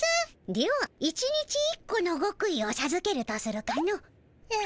では１日１個のごく意をさずけるとするかの。